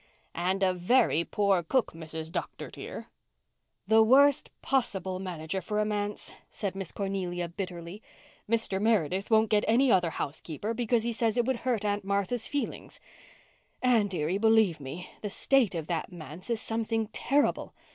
"And a very poor cook, Mrs. Dr. dear." "The worst possible manager for a manse," said Miss Cornelia bitterly. "Mr. Meredith won't get any other housekeeper because he says it would hurt Aunt Martha's feelings. Anne dearie, believe me, the state of that manse is something terrible.